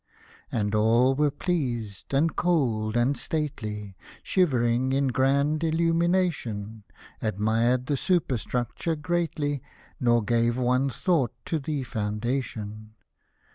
And all were pleased, and cold, and stately, Shivering in grand illumination — Admired the superstructure greatly, Nor gave one thought to the foundation.